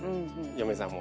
嫁さんも。